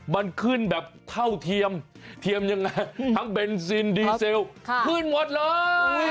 มันขึ้นแบบเท่าเทียมเทียมยังไงทั้งเบนซินดีเซลขึ้นหมดเลย